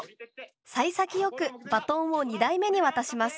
幸先よくバトンを２台目に渡します。